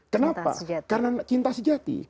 kenapa karena cinta sejati